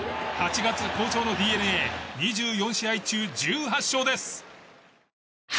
８月好調のＤｅＮＡ２４試合中１８勝です。